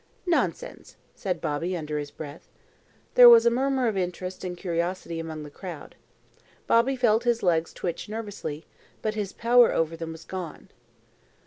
"Nonsense!" said Bobby under his breath. There was a murmur of interest and curiosity among the crowd. Bobby felt his legs twitch nervously, but his power over them was gone.